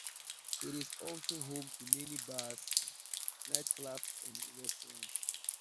It is also home to many bars, nightclubs and restaurants.